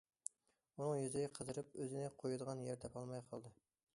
ئۇنىڭ يۈزى قىزىرىپ، ئۆزىنى قۇيىدىغان يەر تاپالماي قالدى.